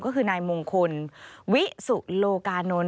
ก็คือนายมงคลวิสุโลกานนท์